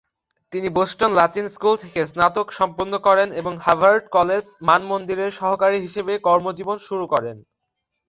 তিনি Boston Latin school থেকে স্নাতক সম্পন্ন করেন এবং হার্ভার্ড কলেজ মানমন্দিরের সহকারী হিসেবে কর্মজীবন শুরু করেন।